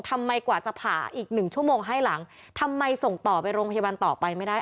กว่าจะผ่าอีกหนึ่งชั่วโมงให้หลังทำไมส่งต่อไปโรงพยาบาลต่อไปไม่ได้